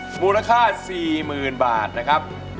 มูลค่า๔๐๐๐บาทนะครับ